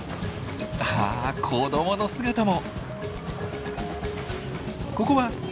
あっ子どもの姿も。